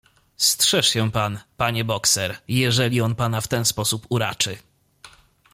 "Strzeż się pan, panie bokser, jeżeli on pana w ten sposób uraczy."